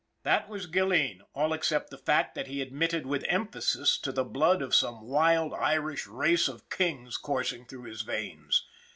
That was Gilleen, all except the fact that he admitted with emphasis to the blood of some wild Irish race of kings coursing through his veins.